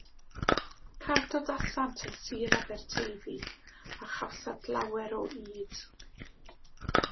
Cardodasant yn Sir Aberteifi, a chawsant lawer o ŷd.